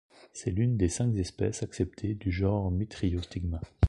C'est l'une des cinq espèces acceptées du genre Mitriostigma.